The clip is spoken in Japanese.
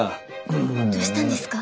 どうしたんですか？